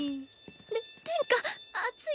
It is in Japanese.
で殿下熱い。